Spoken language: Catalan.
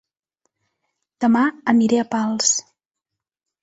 Dema aniré a Pals